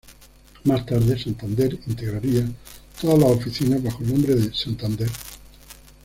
Más tarde, Santander integraría todas las oficinas bajo el nombre de Santander.